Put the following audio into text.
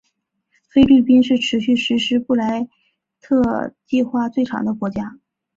菲律宾是持续实施福布莱特计划最长的国家。